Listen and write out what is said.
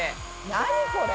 何これ！